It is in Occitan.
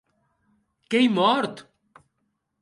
Qu’ei mòrt!